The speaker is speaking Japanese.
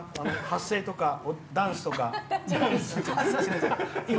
発声とかダンスとか。